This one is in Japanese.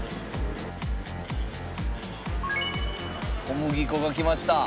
小麦粉がきました。